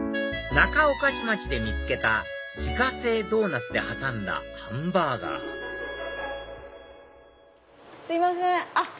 仲御徒町で見つけた自家製ドーナツで挟んだハンバーガーすいません